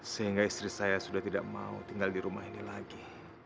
sehingga istri saya sudah tidak mau tinggal di rumah ini lagi